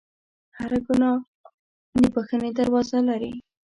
هر ګناه د بخښنې دروازه لري.